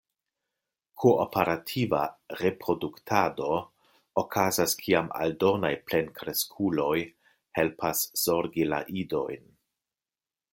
Kooperativa reproduktado okazas kiam aldonaj plenkreskuloj helpas zorgi la idojn.